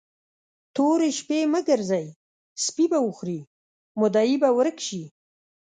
تورې شپې مه ګرځئ؛ سپي به وخوري، مدعي به ورک شي.